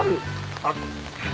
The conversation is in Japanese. あっ。